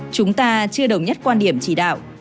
chúng ta chưa đồng nhất quan điểm chỉ đạo